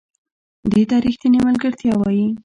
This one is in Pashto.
دې ته ریښتینې ملګرتیا وایي .